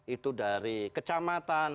itu dari kecamatan